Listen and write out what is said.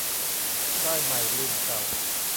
ได้ใหม่ลืมเก่า